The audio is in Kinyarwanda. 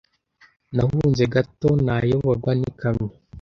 Nahunze gato nayoborwa n'ikamyo.